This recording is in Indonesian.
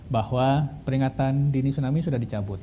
bahwa peringatan dini tsunami sudah dicabut